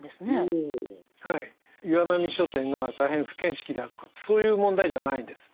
岩波書店が大変不見識であるとかってそういう問題じゃないんです。